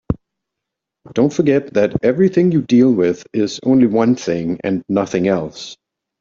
Don't forget that everything you deal with is only one thing and nothing else.